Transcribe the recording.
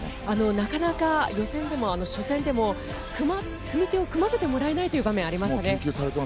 なかなか初戦でも組み手を組ませてもらえない場面がありましたね。